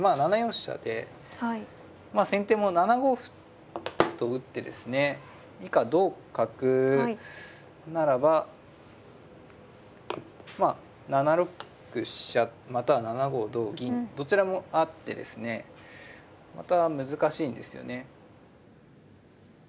飛車で先手も７五歩と打ってですね以下同角ならばまあ７六飛車または７五同銀どちらもあってですねまた難しいんですよね。